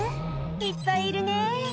「いっぱいいるね」